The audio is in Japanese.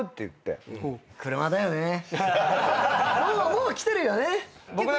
もうきてるよね。